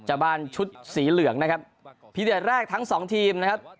จากบ้านชุดสีเหลืองนะครับพีเด็ดแรกทั้งสองทีมนะครับ